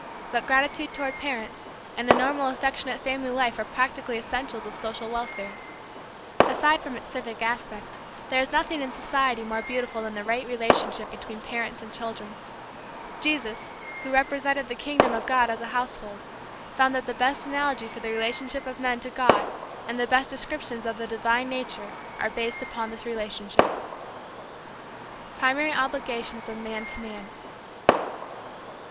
But gratitude toward parents and a normal affectionate family life are practically essential to social welfare. Aside from its civic aspect, there is nothing in society more beautiful than the right relationship between parents and children. Jesus, who represented the kingdom of God as a household, found that the best analogy for the relationship of men to God and the best descriptions of the divine nature are based upon this relationship. V. PRIMARY OBLIGATIONS OF MAN TO MAN.